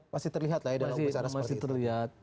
masih terlihat rakyat dalam bicara seperti itu